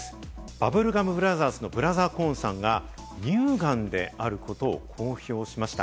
バブルガム・ブラザーズのブラザー・コーンさんが乳がんであることを公表しました。